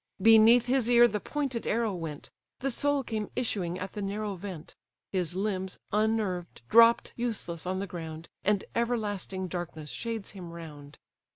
Beneath his ear the pointed arrow went; The soul came issuing at the narrow vent: His limbs, unnerved, drop useless on the ground, And everlasting darkness shades him round.